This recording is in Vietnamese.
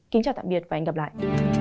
kính chào tạm biệt và hẹn gặp lại